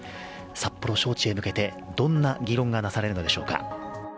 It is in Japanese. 札幌招致へ向けて、どんな議論がなされるのでしょうか。